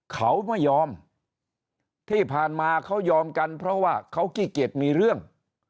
เขาไม่ยอมที่ผ่านมาเขายอมกันเพราะว่าเขาขี้เกียจมีเรื่อง